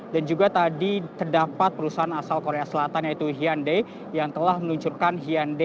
dan juga tadi terdapat perusahaan asal korea selatan yaitu hyundai yang telah menuncurkan hyundai